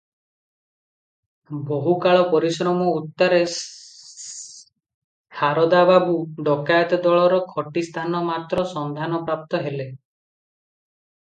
ବହୁକାଳ ପରିଶ୍ରମ ଉତ୍ତାରେ ଶାରଦା ବାବୁ ଡକାଏତ ଦଳର ଖଟି ସ୍ଥାନ ମାତ୍ର ସନ୍ଧାନ ପ୍ରାପ୍ତ ହେଲେ ।